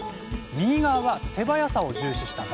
右側は手早さを重視した場合。